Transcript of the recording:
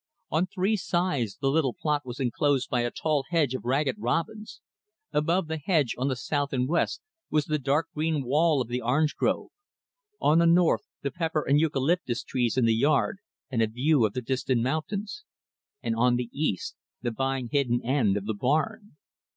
On three sides, the little plot was enclosed by a tall hedge of Ragged Robins; above the hedge, on the south and west, was the dark green wall of the orange grove; on the north, the pepper and eucalyptus trees in the yard, and a view of the distant mountains; and on the east, the vine hidden end of the barn.